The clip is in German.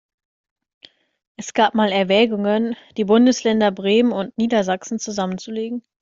Es gab mal Erwägungen, die Bundesländer Bremen und Niedersachsen zusammenzulegen.